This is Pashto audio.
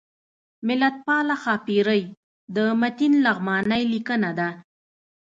ملتپاله ښاپیرۍ د متین لغمانی لیکنه ده